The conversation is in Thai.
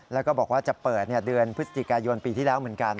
แล้วก็บอกว่าจะเปิดเดือนพฤศจิกายนปีที่แล้วเหมือนกัน